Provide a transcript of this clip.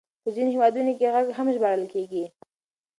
په ځينو هېوادونو کې غږ هم ژباړل کېږي.